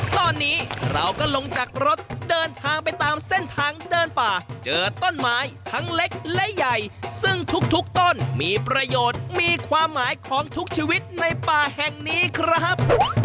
ตอนนี้เราก็ลงจากรถเดินทางไปตามเส้นทางเดินป่าเจอต้นไม้ทั้งเล็กและใหญ่ซึ่งทุกต้นมีประโยชน์มีความหมายของทุกชีวิตในป่าแห่งนี้ครับ